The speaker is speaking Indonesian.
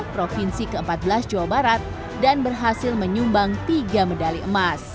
provinsi ke empat belas jawa barat dan berhasil menyumbang tiga medali emas